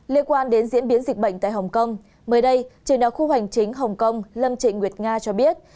liên quan đến diễn biến dịch bệnh tại hồng kông mới đây trường đạo khu hành chính hồng kông lâm trịnh nguyệt nga cho biết